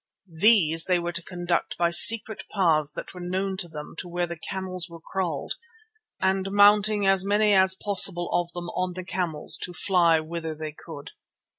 These they were to conduct by secret paths that were known to them to where the camels were kraaled, and mounting as many as possible of them on the camels to fly whither they could.